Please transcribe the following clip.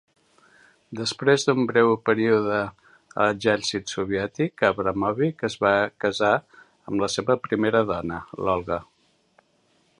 Després d'un breu període a l'exèrcit soviètic, Abramovich es va casar amb la seva primera dona, l'Olga.